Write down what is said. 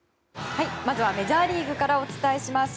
まずはメジャーリーグからお伝えします。